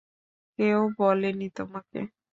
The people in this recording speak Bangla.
কেউ বলেনি তোমাকে?